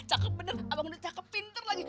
cakep bener abang udah cakep pinter lagi